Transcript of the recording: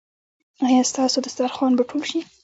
ایا ستاسو دسترخوان به ټول شي؟